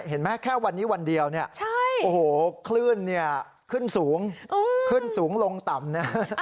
เห็นไหมแค่วันนี้วันเดียวเนี่ยโอ้โหคลื่นเนี่ยขึ้นสูงขึ้นสูงลงต่ำนะ